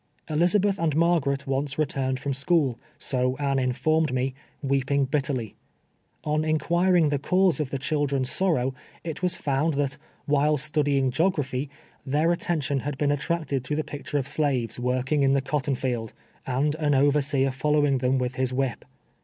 Elizabeth and Margaret once returned from school — so Anne informed me — weeping bitterly. On incpiir ing the cause of the children's sorrow, it was found that, while studying geograj)]!}', their attention had been attracted to the picture of slaves working in the CONCLUSION". 321 cotton field, and an overseer following them with his ■whip.